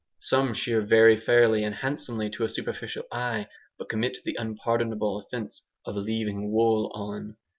Some shear very fairly and handsomely to a superficial eye, but commit the unpardonable offence of "leaving wool on."